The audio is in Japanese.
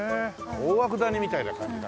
大涌谷みたいな感じだね。